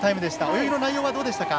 泳ぎの内容はどうでしたか？